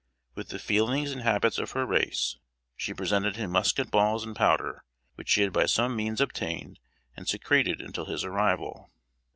With the feelings and habits of her race, she presented him musket balls and powder, which she had by some means obtained and secreted until his arrival.